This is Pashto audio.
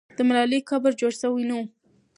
د ملالۍ قبر جوړ سوی نه وو.